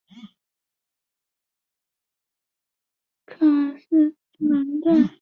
卡斯唐代。